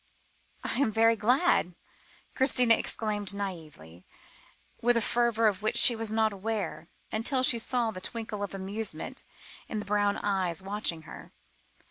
"I am very glad," Christina exclaimed naïvely, with a fervour of which she was not aware, until she saw the twinkle of amusement in the brown eyes watching her.